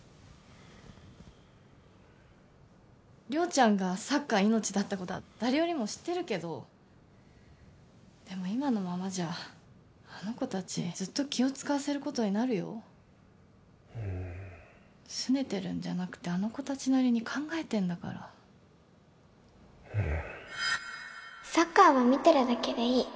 亮ちゃんがサッカー命だってことは誰よりも知ってるけどでも今のままじゃあの子達にずっと気を使わせることになるようんすねてるんじゃなくてあの子達なりに考えてるんだからうんサッカーは見てるだけでいい